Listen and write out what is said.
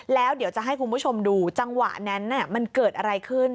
แล้วเดี๋ยวจะให้คุณผู้ชมดูจังหวะนั้นมันเกิดอะไรขึ้น